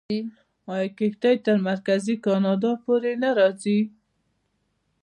آیا کښتۍ تر مرکزي کاناډا پورې نه راځي؟